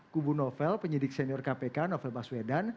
kubu novel penyidik senior kpk novel baswedan